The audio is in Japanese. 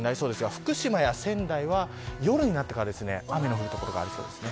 福島や仙台は夜になってから雨の降る所がありそうです。